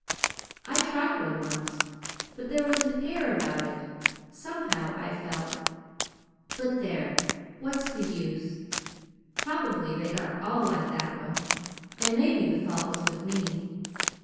I tried one once; but there was an air about it somehow I felt But there, what's the use? Probably they aren't all like that one, and maybe the fault was with me.